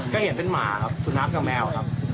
ก็เห็นเป็นหมาครับสุนัขกับแมวครับ